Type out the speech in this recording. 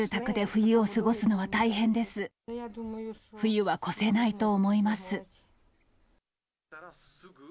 冬は越せないと思います。